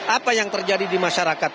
apa yang terjadi di masyarakat